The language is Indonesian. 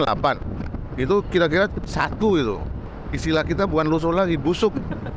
itu kira kira satu itu istilah kita bukan loso lagi busuk